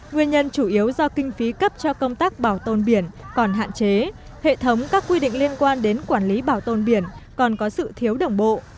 nguyên nhân chủ yếu do kinh phí cấp cho công tác bảo tồn biển còn hạn chế hệ thống các quy định liên quan đến quản lý bảo tồn biển còn có sự thiếu đồng bộ